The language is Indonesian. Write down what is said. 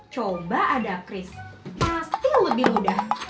coba ada kris pasti lebih mudah